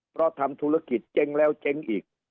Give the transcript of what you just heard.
เพราะทำธุรกิจเจ๊งแล้วเจ๊งอีก